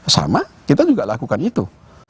sama kita juga lakukan itu